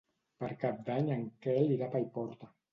Per Cap d'Any en Quel irà a Paiporta.